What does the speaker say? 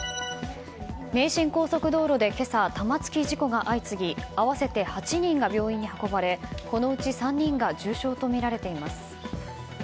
名神高速道路で今朝、玉突き事故が相次ぎ合わせて８人が病院に運ばれこのうち３人が重傷とみられています。